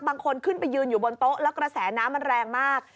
บางคนขึ้นไปยืนอยู่บนโต๊ะแล้วกระแสน้ำมันแรงมาก